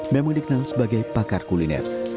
memang dikenal sebagai pakar kuliner